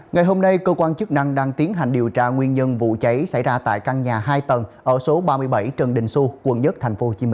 ngày hôm nay cơ quan chức năng đang tiến hành điều tra nguyên nhân vụ cháy xảy ra tại căn nhà hai tầng ở số ba mươi bảy trần đình xu quận một tp hcm